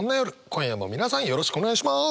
今夜も皆さんよろしくお願いします。